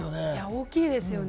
大きいですよね。